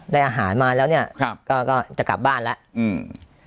ได้อาหารมาแล้วเนี้ยครับก็ก็จะกลับบ้านแล้วอืม